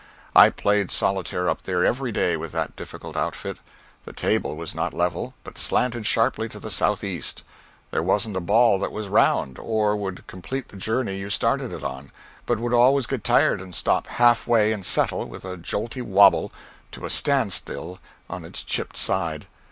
I played solitaire up there every day with that difficult outfit. The table was not level, but slanted sharply to the southeast; there wasn't a ball that was round, or would complete the journey you started it on, but would always get tired and stop half way and settle, with a jolty wabble, to a standstill on its chipped side.